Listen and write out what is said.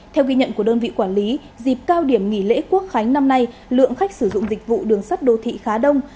theo ghi nhận của đơn vị quản lý dịp cao điểm nghỉ lễ quốc khánh năm nay lượng khách sử dụng dịch vụ đường sắt đô thị khá đông